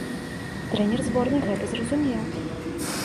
Трэнер зборнай гэта зразумеў.